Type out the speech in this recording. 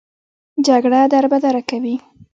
جګړه دربدره کوي